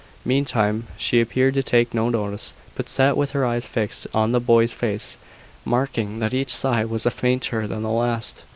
Meantime she appeared to take no notice, but sat with her eyes fixed on the boy's face, marking that each sigh was fainter than the last.